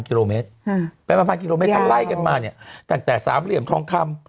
กิโลเมตรไปจะไล่กันมาเนี้ยตั้งแต่สามเหลี่ยมทองคำ